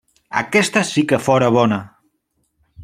Aquesta sí que fóra bona!